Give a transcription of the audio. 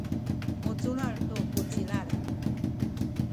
muculal tu ku cilal